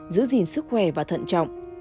giữ gìn sức khỏe và thận trọng